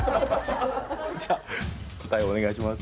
じゃあ答えをお願いします。